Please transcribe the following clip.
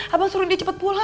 abang suruh dia cepat pulang